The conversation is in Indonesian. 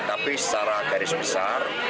tapi secara garis besar